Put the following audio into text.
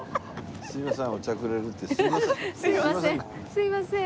「すいません」。